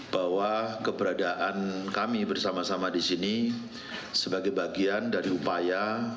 bahwa keberadaan kami bersama sama di sini sebagai bagian dari upaya